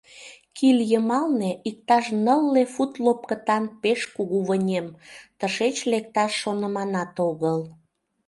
Киль йымалне — иктаж нылле фут лопкытан пеш кугу вынем, тышеч лекташ шоныманат огыл.